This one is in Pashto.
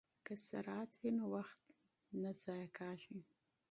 که سرعت وي نو وخت نه ضایع کیږي.